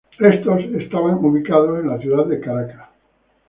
Estos estaban ubicados en la ciudad de Caracas.